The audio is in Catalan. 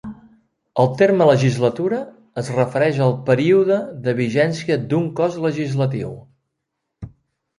El terme legislatura es refereix al període de vigència d'un cos legislatiu.